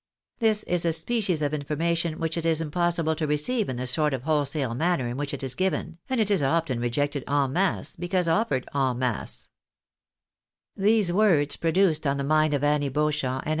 This is a species of information which it is impossible to receive in the sort of whole sale manner in which it is given, and it is often rejected en masse, because offered en masse." These words produced on the mind of Annie Beauchamp an.